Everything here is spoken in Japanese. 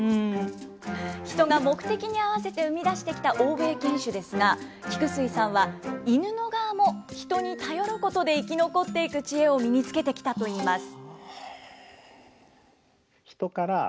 ヒトが目的に合わせて生み出してきた欧米犬種ですが、菊水さんは、イヌの側もヒトに頼ることで生き残っていく知恵を身につけてきたと言います。